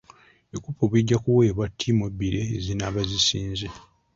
Ebikopo bijja kuweebwa ttiimu ebbiri ezinaaba zisinze.